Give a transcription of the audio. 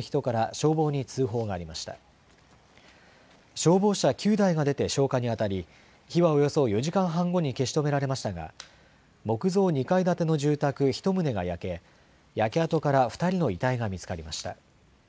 消防車９台が出て消火にあたり火はおよそ４時間半後に消し止められましたが木造２階建ての住宅１棟が焼け、焼け跡から２人の遺体が見つかりました。